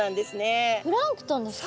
プランクトンですか？